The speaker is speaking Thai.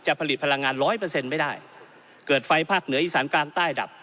ผลิตพลังงานร้อยเปอร์เซ็นต์ไม่ได้เกิดไฟภาคเหนืออีสานกลางใต้ดับ